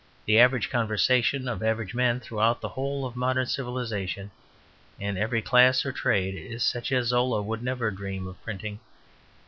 The average conversation of average men throughout the whole of modern civilization in every class or trade is such as Zola would never dream of printing.